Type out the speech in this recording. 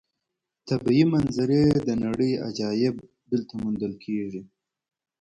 طبیعي منظرې او د نړۍ عجایب دلته موندل کېږي.